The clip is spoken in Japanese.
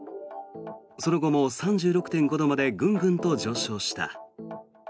その後も３６．５度までぐんぐんと上昇した。